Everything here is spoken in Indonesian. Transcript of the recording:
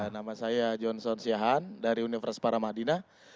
nama saya johnson siahan dari universitas para madina